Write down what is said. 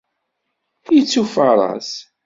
Ittufaṛas.